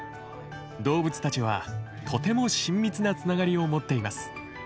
動物たちはとても親密なつながりを持っています。